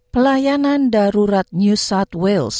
pelayanan darurat new south wales